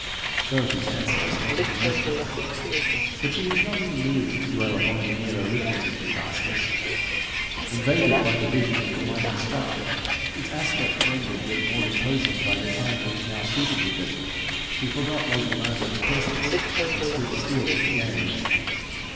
Dorothy's answer was an exclamation. But she was not in the mood to dwell upon the mere arithmetic of vastness. Invaded by the vision of the mighty structure, its aspect rendered yet more imposing by the time which now suited with it, she forgot lady Margaret's presence, and stood still to gaze.